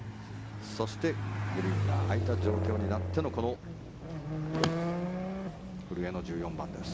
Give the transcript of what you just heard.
そして、グリーンが空いた状況になったのこの古江の１４番です。